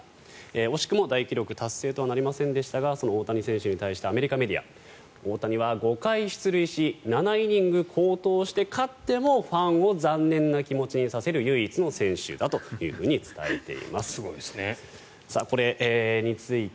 惜しくも大記録達成とはなりませんでしたがその大谷選手に対してアメリカメディア大谷は５回出塁し７イニング好投して勝ってもファンを残念な気持ちにさせる唯一の選手だと伝えています。